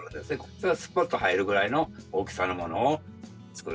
それがすぽっと入るぐらいの大きさのものを作る。